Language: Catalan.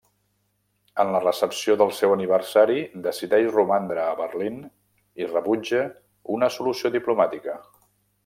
En la recepció del seu aniversari decideix romandre a Berlín i rebutja una solució diplomàtica.